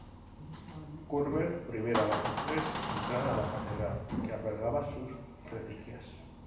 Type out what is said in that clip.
Cuthbert prohibiera a las mujeres entrar a la catedral que albergaba sus reliquias.